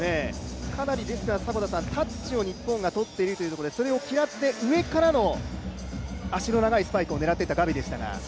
かなりタッチを日本が取っているということでそれを嫌って、上からの足の長いスパイクを狙っていったガビでしたが。